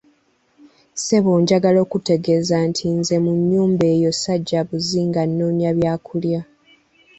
Ssebo njagala okukutegeeza nti nze mu nnyumba eyo sajja buzzi nga nnoonya byakulya.